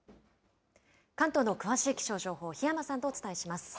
関東の詳しい気象情報、檜山さんとお伝えします。